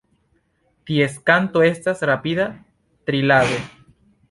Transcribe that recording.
Ties kanto estas rapida trilado.